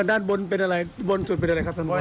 ด้านบนเป็นอะไรบนสุดเป็นอะไรครับพระครูพัฒนะ